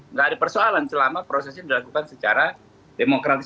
nggak ada persoalan selama prosesnya dilakukan secara demokratis